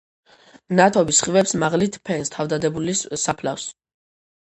მნათობი სხივებს მაღლით ჰფენს თავდადებულის საფლავს.